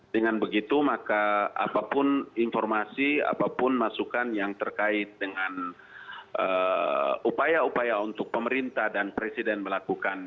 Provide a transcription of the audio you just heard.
dengan begitu maka apapun informasi apapun masukan yang terkait dengan upaya upaya untuk pemerintah dan presiden melakukan